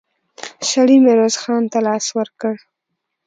سړي ميرويس خان ته لاس ورکړ.